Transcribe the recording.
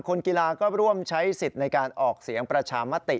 คนกีฬาก็ร่วมใช้สิทธิ์ในการออกเสียงประชามติ